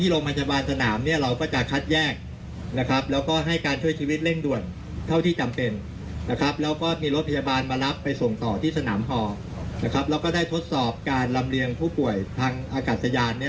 แล้วก็ได้ทดสอบการรำเรียงผู้ป่วยทางอากาศยาน